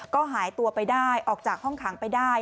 ก็หายตัวไปได้ออกจากห้องขังไปได้